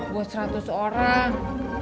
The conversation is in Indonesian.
buat seratus orang